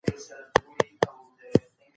ځينې ليکوالان سياست له علم څخه لرې ګڼي.